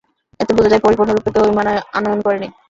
এতে বোঝা যায় পরিপূর্ণরূপে কেউ ঈমান আনয়ন করেনি।